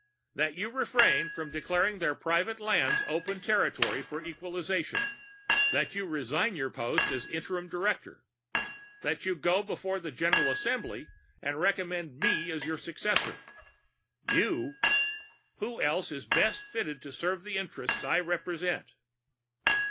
"That you refrain from declaring their private lands open territory for equalization. That you resign your post as interim director. That you go before the General Assembly and recommend me as your successor." "You?" "Who else is best fitted to serve the interests I represent?"